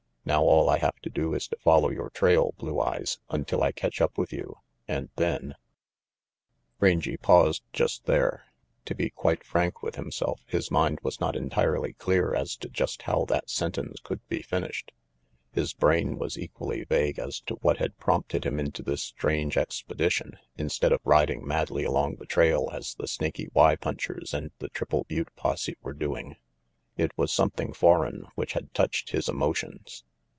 Now all I have to do is to follow your trail, Blue Eyes, until I catch up with you, and then " Rangy paused just there. To be quite frank with himself, his mind was not entirely clear as to just how that sentence could be finished. His brain was equally vague as to what had prompted him into this strange expedition instead of riding madly along the trail as the Snaky Y punchers and the Triple Butte posse were doing. It was something foreign which had touched his emotions.